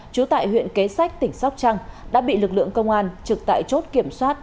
trú tại huyện kế sách tỉnh sóc trăng đã bị lực lượng công an trực tại chốt kiểm soát